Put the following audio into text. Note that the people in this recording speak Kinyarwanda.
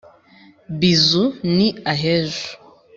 bizu ni ahejo.